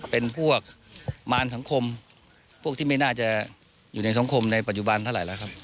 เป็นพวกมารสังคมพวกที่ไม่น่าจะอยู่ในสังคมในปัจจุบันเท่าไหร่แล้วครับ